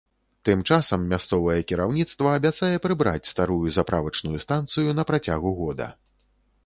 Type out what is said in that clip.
Тым часам мясцовае кіраўніцтва абяцае прыбраць старую заправачную станцыю на працягу года.